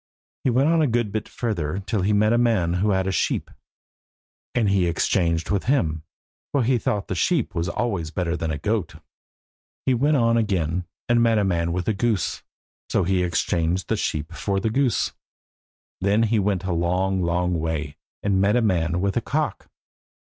He went on a good bit further till he met a man who had a sheep, and he exchanged with him, for he thought a sheep was always better than a goat. He went on again, and met a man with a goose. So he exchanged the sheep for the goose. Then he went a long, long way, and met a man with a cock.